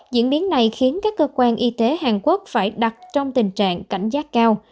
diễn biến này khiến các cơ quan y tế hàn quốc phải đặt trong tình trạng cảnh giác cao